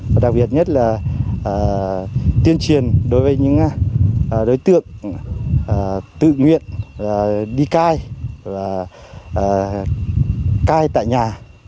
và đặc biệt nhất là tuyên truyền đối với những đối tượng tự nguyện đi cai và cai tại nhà